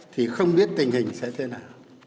thì không biết tình hình nào